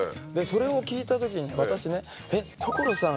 それを聞いたときに私ねえっ所さん